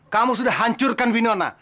kamu sudah hancurkan winona